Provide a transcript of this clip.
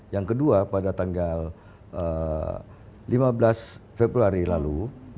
yang kedua pada tanggal lima belas februari lalu dua ribu dua puluh satu